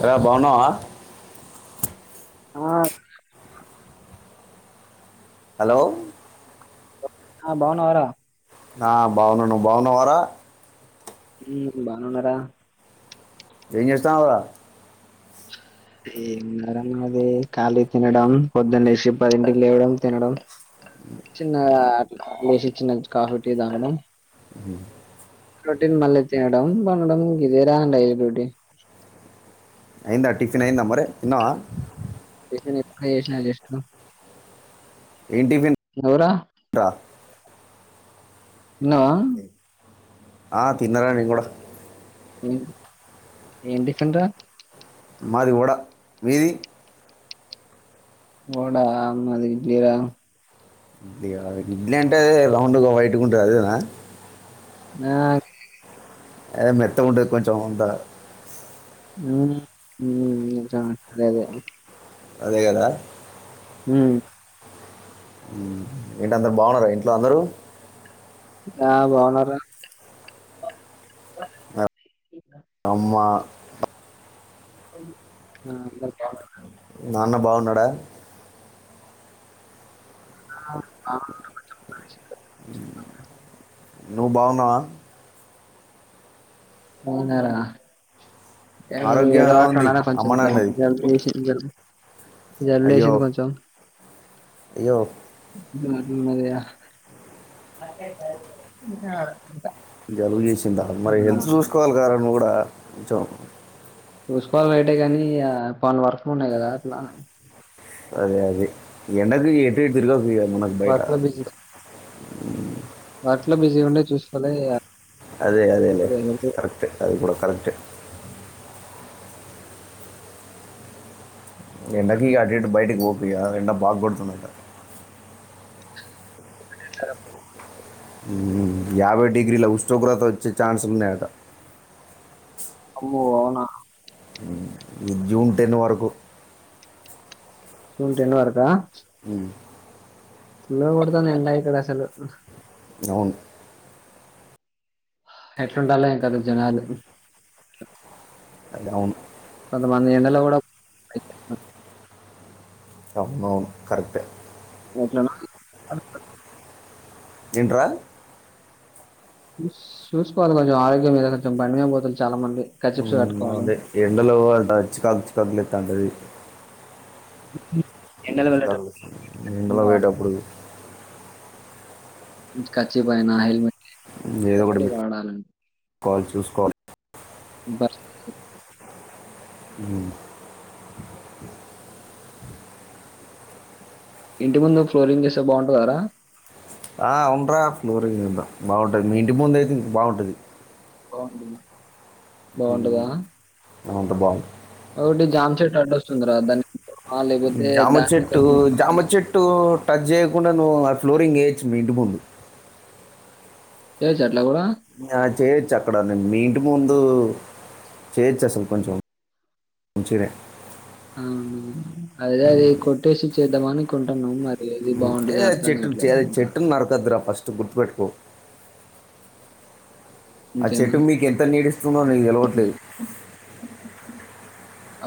ఏరా బావున్నావ ఆ హలో ఆ బాగున్నావరా ఆ బాగున్నాను నువ్వు బాగున్నావారా మ్మ్ బానే ఉన్నారా ఎంజేస్తన్నవ్ రా ఏమున్నారన్నా అది ఖాళీ తినడం పొద్దున్న లేసి పదింటికి లేవడం తినడం చిన్నా అట్ లేసి చిన్నగ కాఫీ టీ తాగడము మ్మ్ రొటీన్ మళ్ళీ తినడం పనడం గిదేరా డైలీ రొటీన్ అయిందా టిఫిన్ అయిందా మరి తిన్నావ నేనిప్పుడే జేశిన జస్టు ఏం టిఫిన్ రా తిన్నవా ఆ తిన్నారా నేను గూడా ఏం ఏం టిఫిన్ రా మాది వడ మీది ఒడా మాది ఇడ్లీరా ఇడ్లియా ఇడ్లీ అంటే అదే రౌండ్గా వైట్ గుంటది అదేనా ఆ [unintelligible] ఏ మెత్తగుంటది కొంచెం అంతా మ్మ్ మ్మ్ ఇంకా అదే అదే అదే గదా మ్మ్ ఉమ్ ఏంటందరు బాగున్నారా ఇంట్లో అందరూ ఆ బాగున్నారా అమ్మ అందరూ బాగున్నారా నాన్న బావున్నాడా [inaudible] నువ్వు బావున్నావా బావున్న రా ఏ ఆరోగ్యం ఏదో ఎలా అట్టుండ ఉంది అన్నకొంచెం అమ్మ జలుబ్ నాన్నది జలుబు జేసి ఒఓ జలుబు అయ్యో లేసింది కొంచెం అయ్యో ద జాలుబు చేసి మరి హెల్త్ చూసుకోవాలి కదార నువ్వు కూడా కొంచం చూసుకోవాలి రైటే కాని పం వరకులు ఉన్నాయి కదా అట్లానే అదే అదే ఎండకు ఎటు ఎటు తిరగకు ఇగ వాట్లా బజ ఎట్లా బిజీగా ఉండే చూసుకోలే అదే అదేలే కరెక్ట్ అది కూడా కరెక్ట్ ఎండకి అటు ఇటు బయటకి పోకు ఇగ ఎండ బాగుడుతుందట అ యాభై డిగ్రీల ఉష్ణోగ్రత వచ్చే ఛాన్స్లు ఉన్నాయట అమ్మో అవునా ఉమ్, ఈ జూన్ టెన్ వరకు జూన్ టెన్ వరకా ఉమ్, చాలా కొడుతాన్నా ఎండ ఇక్కడ అసలు అవును ఎట్లుండాల ఎండతో జనాలు అది అవును కొంతమంది ఎండలో కూడా అవును అవును కరెక్ట్ అఓ ఏంట్రా చూసుకోవాలి కొంచెం ఆరోగ్యం మీద కొంచెం బండిమీద పోతుంరు చాలా మంది కచిప్స్ కట్ట ఉమ్, అదే ఎండలో పోవాలా చిరాకు చికాకు లేస్తుంది తాండది అ చదు ఎండ లో పోయేటప్పుడు కర్చీఫ్ అయినా హెల్మెట్ ఏదో ఒకటి ముప్పడి పెట్టు వాడాల కాల్ చూసుకోవాల్ బర్ హం ఇంటి ముందు ఫ్లోరింగ్ చేస్తే బావుంటదారా ఫ్లోరింగ్ ఉందా బావుంటది. మీ ఇంటి ముందు అయితే ఇది బావుంటది. బ బావుంటదా అంత బాగు ఓటి జామ్ చెట్టు అడ్డొస్తుంది రా దాని జామ చెట్టు జామ చెట్టు టచ్ చేయకుండా నువ్వు ఆ ఫ్లోరింగ్ వేయించు మీ ఇంటి ముందు చెయ్యొచ్చా అట్లా కూడా ఆ చేయొచ్చు అక్కడ మీ ఇంటి ముందు చేయొచ్చు అసలు కొంచెం కొంచెమే అవును అదే అదే కొట్టేసి చేద్దాం అనుకుంటున్నాం మరి ఏది బావుంటదో ఏ అర్థం చెట్ కావట్లేదు సరిగ్గా. చెట్టులు నరకొద్దురా ఫస్టు గుర్తుపెట్టుకో ఆ అంతేనా? చెట్టు మీకు ఎంత నీడ ఇస్తుందో నీకు తెలవట్లేదు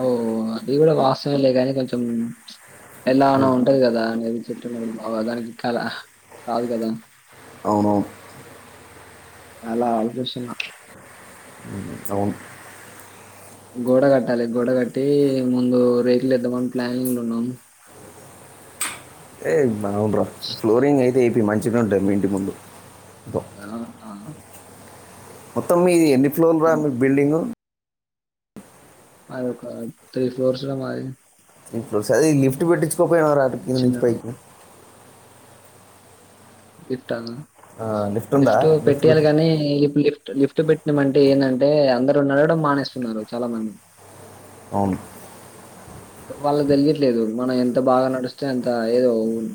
ఓ అది కూడా వాస్తవమే లే కానీ కొంచెం ఎలానో ఉంటది కదా అనేది చెట్టు ఉన్నప్పుడూ దానికి కల రాదు కదా అవునవును అలా ఆలోచిస్తున్నా అవును గోడ కట్టాలి గోడ కట్టి ముందు రేకులు వేద్దామని ప్లానింగ్ లో ఉన్నాను ఏ [unintelligible] బావు బ్ర [unintelligible] ఫ్లోరింగ్ అయితే ఇది మంచిగా ఉంటది మీ ఇంటి ముందు ఇదో. ఆ ఆ మొత్తం మీది ఎన్ని ఫ్లోర్ రా ఇం- మీ బిల్డింగ్ మాది ఒక త్రీ ఫ్లోర్స్ రా మాది ఇప్పుడు సరే ఈ లిఫ్ట్ పెట్టిచ్చు [unintelligible] కింద నుంచి చిన్న పైకి ఇత్తాను లిఫ్ట్ ఉందా లిఫ్టు లిఫ్ట్ పెట్టియాలి పెట్టి కానీ ఇప్పుడు లిఫ్ట్ లిఫ్ట్ పెట్టినమంటే ఏందంటే అందరు ఉ నడవడం మానేస్తున్నారు చాలా మంది అవును వాళ్ళకి తెలియట్లేదు మనం ఎంత బాగా నడిస్తే అంత ఏదో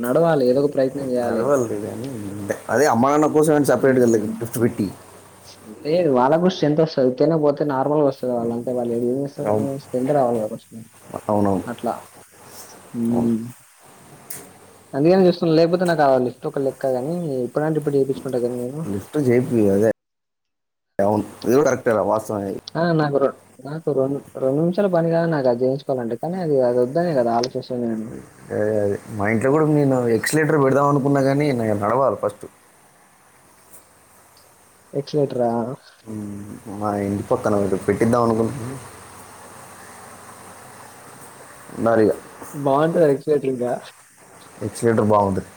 నడవాలి ఏదో ఒక ప్రయత్నం చేయాలి నడవాలి లే గాని అదే అమానం కోసమైనా సెపరేట్ గా ఉమ్. లిఫ్టు పెట్టీ లేదు వాళ్ళ కూడా స్ట్రెంత్ వస్తది. ఉతిగానే పోతే నార్మల్గా వస్తుంది వాళ్ళంటే వాళ్ళు ఏ ఏం చేస్తారు అవును స్ట్రెంత్ రావాలి. అవునవును అట్లా అవును అందుకని చూస్తుం లేకపోతే నాకు ఆ లిఫ్ట్ ఒక లెక్కగాని ఇప్పుడంటే ఇప్పుడు వేయించుకుంటా కానీ నేను లిఫ్ట్ చేప్పియ్ అదే అవును ఇది కూడా కరెక్టే. వాస్తవం అది. ఆ నాకు రెం నాకు రెం రెండు నిమిషాల పని కాదు. నాకు అది చేయించుకోవాలంటే కానీ అది అది వద్దనే కదా ఆలోచిస్తుంది. నేను అదే అదే మా ఇంట్లో కూడానేను ఎక్సలేటర్ పెడదాం. అను కున్నా కానీ న నడవాలి ఫస్ట్ ఎక్క్లరేటర్ ఆ మా ఇంటి పక్కన వారు పెట్టిద్దాం అనుకుంటు ఉన్నారిగా బాగుంటది ఎక్స్లెటర్ ఇంకా ఎక్సలెటర్ బాగుంటది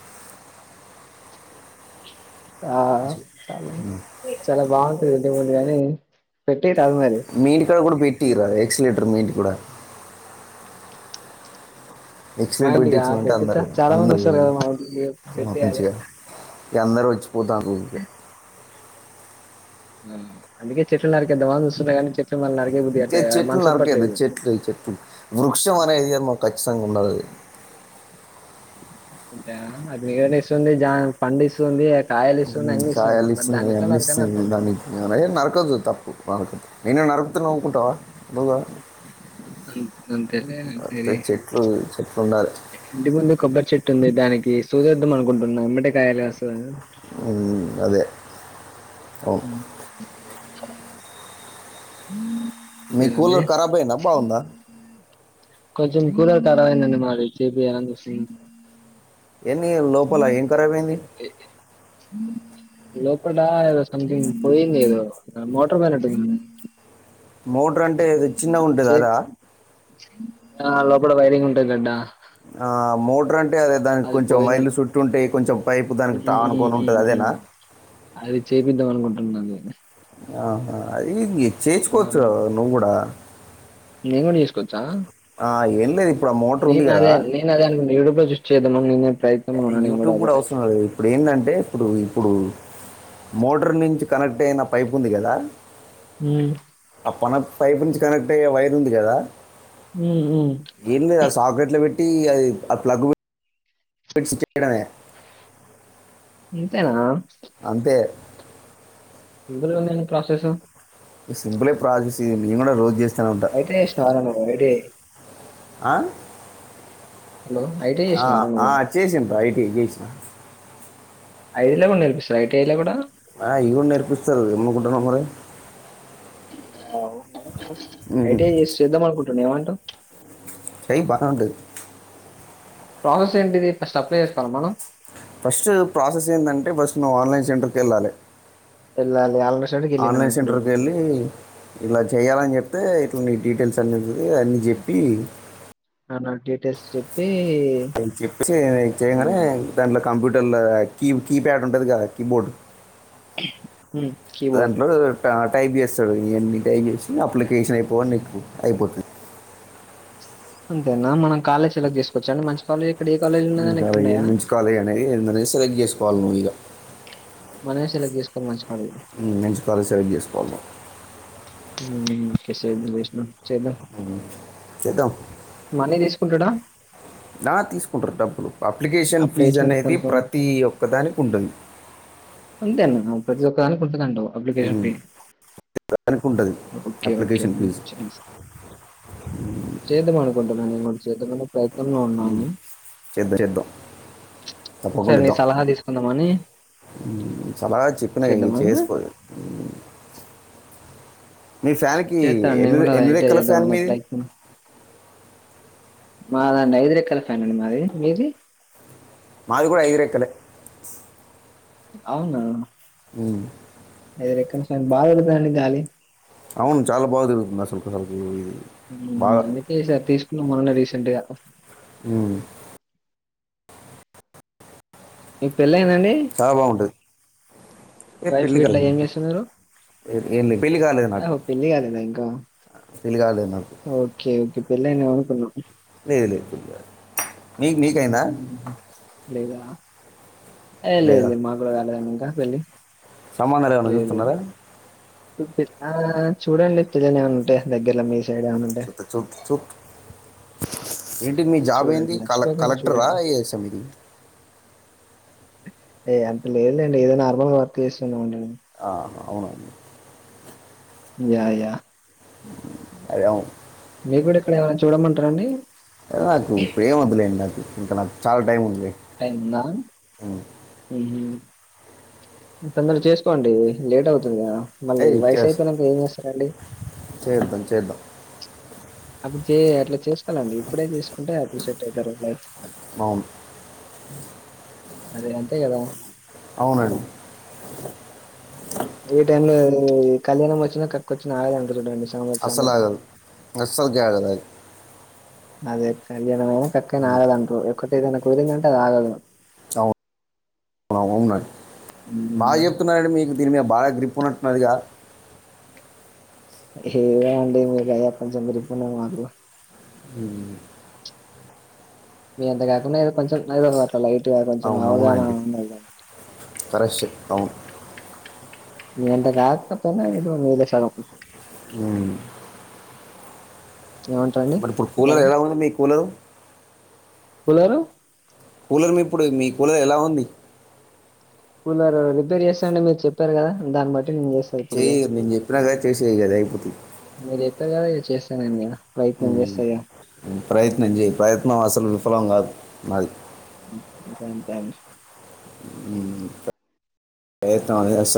ఆ చాలా బాగుంటది ఇంటి ముందు గాని పెట్టే మీ ఇంటి కాడ కూడా పెట్ పెట్టియ్యరాదు ఎక్సలేటర్ మీ ఇంటి కూడా మా ఎక్స్లేటర్ ఇంటికా పెట్టించిన అంటే పెట్టిత అందరు చాలా మంది అందరు వస్తారు. కదా మా ఇంటికి పెట్టియ్యాలి. ఇగా అందరు వచ్చి పోతాళ్ళు ఇంటికే అందుకే చెట్లు నారికేదామని చూస్తున్నా కానీ చెట్లు మళ్ళ నరికి ఇకే చే చెట్లు నరికీయోందు చెెట్లు చెెట్లు వృక్షం అనేది [unintelligible] ఉండదు. అది అది నీడను ఇస్తుంది. జామ్ పండు ఇస్తుంది. కాయలు ఇస్తుంది. నేను అన్ని ఛాయాలు మరి ఇస్తుంది. దాన్ని అవి ఎట్లా అన్ని నరకాలో ఇస్తుంది. అర్థం కాట్లే దానికి అే నరకదు తప్పు వరకు నిన్ను నరకుతే నువ్ ఉకుంటావా ఉండవ్ నన్నే [unintelligible] చెట్లు చెట్లు ఉండాలి ఇంటి ముందు కొబ్బరి చెట్టుంది దానికి సూదేధం అనుకుంటున్నా ఎమ్మటే కాయలు కాస్తదాని అదే అవును అ హ మీ కూలర్ ఖరాబ్ అయిందా బాగుందా కొంచెం కులార్ ఖరాబ్ అయ్యిందండి. మాది చెప్పియాలి ఎన్ని లోపల ఏం ఖరాబ్ అయ్యింది. లోపట ఏదో సంతింగ్ పోయింది. ఏదో మోటర్ పోయినట్టుంది. మోటర్ అంటే ఏది చిన్నగా ఉంటది. చే అదా ఆ లోపల వైరింగ్ ఉంటాదడ ఆ మోటర్ అం అంటే అది దానికి కొంచెం వైర్లు పోయినట్టు చుట్టు ఉంటాయి కొంచెం పైపు దానికి ఉమ్, టానుకొని ఉంటాది ఉమ్, అదేనా ఉమ్. అది చేపిద్దాం అనుకుంటున్నా అది ఆహా ఇగి చేయిచుకోవచ్చు నువ్వు కూడా నేన్ కూడా తీస్కోచ్ ఆ ఏం లేదు ఇప్పుడు ఆ మోటర్ ఉంది నేను అదే కదా నేను అదే [unintelligible] ఉన్నా నేను యూట్యూబ్ అదే కూడా వస్తున్నారు ఇప్పుడు ఏంటంటే ఇప్పుడు ఇప్పుడు మోటర్ నుంచి కనెక్ట్ అయిన పైప్ ఉంది కదా ఉమ్, ఆ పానద్ పైప్ నుంచి కనెక్ట్ అయ్యే వైర్ ఉంది కదా ఉమ్, ఉమ్. ఏంది రా శాక్లేట్లో పెట్ టీ అది ఆ ప్లగు పేట్ ఫిష్డ్స్ చేయడమే ఇంతేనా అంతే సింపుల్గా ఉందేటి ప్రాసెసు సింపులే ప్రాజెక్స్ ఇది మేము కూడా రోజు చేస్ అయితే చేసినవ రా అయితే ఆ హలో ఐటీఐ ఆ చేసినవారా ఆ నువ్వు చేసిన్ను రా చేసిన ఐదులో కనిపిస్తదా ఐ టి ఐ లో కూడా ఆ ఇ కూడా నేర్పిస్తారు ఎను కుంటన్నా మరి ఆవు ఐ టి ఐ చేస్ చేదాం అనుకు టు ఏమంటావ్ చెయ్ బాగుంటది ప్రాసెస్ ఏంటిది ఫస్ట్ అప్లై చేస్తకోవాలా మనం ఫస్ట్ ప్రాసెస్ ఎందంటే ఫస్ట్ నువ్వు ఆన్లైన్ సెంటర్క్ ఎల్లలే వెళ్ళాలి ఆల్రెడీ స్టేట్కి వెళ్ళినా ఆన్లైన్ ఇప్పుడు సెంటర్కి వెళ్ళి ఇలా చెయ్యాలని చెప్తే పోయ్ డీటెయిల్స్ అని [unintelligible] అని చెప్పి అ నా డీటెయిల్స్ చెప్పి అవి చెప్పేసి చేయగానే అవునా దాంట్ల కంప్యూటర్ టర్లో కీ కీప్యాడ్ ఉంటది కదా కీబోర్డ్ కీబోర్డ్ దాంట్లో టైప్ చేస్తాడు ఇవన్నీ టైప్ చేసి అప్లికేషన్ అయిపోవడం నీకు అయిపోతుంది అంతేనా మనం కాలేజీ ఎలా తీసుకోవచ్చు అం మంచి కాలేజ్ ఇక్కడ ఏ కాలేజ్ మ ఉన్నదని ఇక్కడ అ ఉన్నాయా మించు కాల అనేది సెలెక్ట్ చేసుకో వాల్నల మనమే సెలెక్ట్ చేసుకోవాలి మంచి కాలేజ్ ఉమెన్స్ కాలజీ సెలెక్ట్ చేసుకోవాలి ఓకే స విష్ణం చేద్దాం చెదం మనీ తీసుకుంటాడా నా తీసుకుంట్ర డబ్బులు అప్లికేషన్ ఫీజు అప్లికేషన్ అనేది కన్ఫర్మ్ ప్రతి ఒక్కదానికి ఉంటుంది అంతే ప్రతి ఒక్క అని కుంట కండావు దానికింటుంది ఓకే ఓకే అప్లికేషన్ ఫీజు చేస్- చేద్దాం అనుకుంటాన్నా నేను కూడా చేద్దనే ప్రయత్నంలో ఉన్నాను చేద్దాం చేద్దాం తప్పకుండ ఇద్దం మని చాల చెప్పిన ఇక చేసుకోలేదు మీ ఫ్యాన్కి చేస్తాను నేను ఎన్ని కూడా ఎన్ని ఐటీ రెక్కల ఫ్యాన్ చేద్దామని మీది ప్రయత్నం మాదండి ఐదు రెక్కల ఫ్యానండి మాది మీది మాది కూడా ఐదు రెక్కలే అవునా ఐదు రెక్కల ఫ్యాను బాగా పెడగుతాదండి గాలి అవును చాలా బాగా తిరుగుతుంది అసలు అసలుకు అందుకేసారి తీసుకున్నాం మొన్న రీసెంటుగా అ నీకు పేల చాలా బాగుంటుంది ఏ వైఫ్ పెళ్ళి ఇట్లా కాలేదు ఏం నాకు. చేస్తున్నారు ఏ- ఏం లేదు పెళ్ళి కాలేదు నాకు పెళ్ళి కాలేద ఇంకా పెళ్ళి కాలేదు నాకు ఓకే ఓకే పెళ్ళే అయిందేమో అనుకున్న లేదు లేదు పెళ్ళి కాలేదు నీకు నీకైందా లేదా లేదు లేదు మాకూడ కాలేదు నా పెళ్లి సంబందాలు ఏమైనా లేదు. చూస్తున్నారా చూడండి పిల్లను ఏమైనా ఉంటే దగ్గరలో మీ సైడ్ ఏమన్నా ఉంటే చట్ట చట్ చోట్ ఏంటి మీ జాబ్ చూడండి. ఏంది కల మర్చిపోకండి కలెక్టర్ రా చూడండి. ఏశం ఏ అంత లేదులేండి ఏదో నార్మల్గా వర్క్ చేస్తున్నాం ఆ అవునండి యా యా అదే మీరు కూడా ఇక్కడ ఎవరనైనా చూడమంటారండి నాకు ప్రేమదలే ఉంట ఇంక నాకు చాలా టైం ఉంది అయింద ఉహు తొందర చేసుకోండి లేట్ అవుతుంది కదా ఏ మళ్ళీ వయసు చేస్ అయిపోయినాక ఏం చేస్తారండి చేద్దాం చేద్దాం అప్పుడు చే అట్ల చేసుకోవాలండి ఇప్పుడే చేసుకుంటే అపుడు సెట్ అవుతారు లైఫ్ అవును అదే అంతే కదా అవునండి ఏ టైం లో కళ్యాణం వచ్చినా కక్క వచ్చినా ఆగదంటరు చూడండి సామెత అసలు సామెత ఆగదు అస్సలు కే ఆగదు అది అదే కళ్యాణ ఏ క్కకానా ఆగదంటూ ఒక్కటి ఏదైనా కోరిందంటే అది ఆగదు అవును అవును బాగా ఉమ్, చెప్తున్నాడి మీకు దీని మీద బాగా గ్రిప్ ఉన్నట్టున్నదిగా ఏ అంటే మీకు కొంచెం గ్రిప్ ఉన్నది మాకు ఉం మీ అంత కాకుండా ఏదో కొంచెం ఏదో వరక్ లైట్గా కొంచెం అవును అవగాహన అవునండి ఉండదుగా కరెక్ట్ అవును మీ అంత కాక పోతేన ఏదో మిలో సగం ఊమ్ ఏమంటారండి మరి ఇప్పుడు కూలర్ అంతేనా ఎలా ఉంది మీ కూలరు కూలరు కూలర్ మీ ఇప్పుడు మీ కూలర్ ఎలా ఉంది కూలర్ రిపేర్ చేస్తాండి మీరు చెప్పారు కదా దాన్ని బట్టి నేను చేస్తా ఇప్పుడు ఇగ చెయ్ నేను చెప్పినా కదా చేసేయ్ ఇగ అది అయిపోతది కద చేస్తా నేను క ఉం ప్రయత్నం చెయ్ ప్రయత్నం అసలు విఫలం వ దు నాది అంతే అండీ ఊమ్ ప్రయత్నం అనేది అసలు